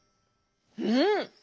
うん！